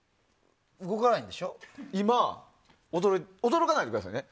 驚かないでくださいね？